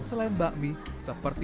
masa itu ternyata di slit kesia